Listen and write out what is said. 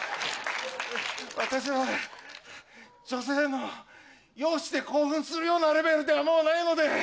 私は、女性の容姿で興奮するレベルではもうないので。